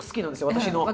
私の。